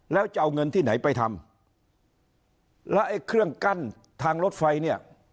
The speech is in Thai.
แล้วจะเอาเงินที่ไหนไปทำแล้วไอ้เครื่องกั้นทางรถไฟเนี่ย